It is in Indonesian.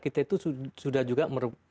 kita itu sudah juga